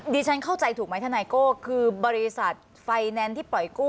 ฉันเข้าใจถูกไหมทนายโก้คือบริษัทไฟแนนซ์ที่ปล่อยกู้